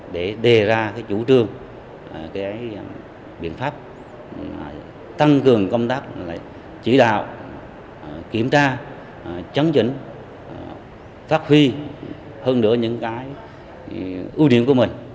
để đề ra chủ trương biện pháp tăng cường công tác chỉ đạo kiểm tra chấn chỉnh phát huy hơn nữa những cái ưu điểm của mình